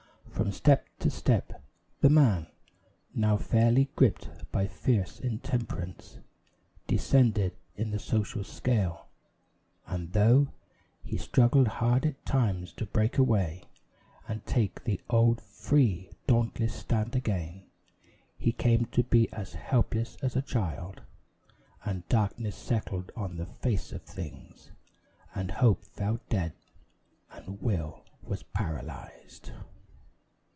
From step to step, the man Now fairly gripped by fierce Intemperance Descended in the social scale; and though He struggled hard at times to break away, And take the old free, dauntless stand again, He came to be as helpless as a child, And Darkness settled on the face of things, And Hope fell dead, and Will was paralysed.